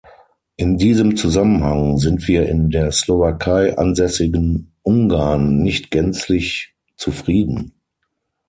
In diesem Zusammenhang sind wir in der Slowakei ansässigen Ungarn nicht gänzlich zufrieden.